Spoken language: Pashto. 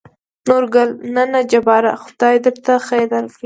نورګل: نه نه جباره خداى د درته خېر درکړي.